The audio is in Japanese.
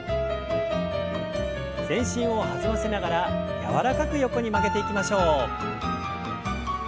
全身を弾ませながら柔らかく横に曲げていきましょう。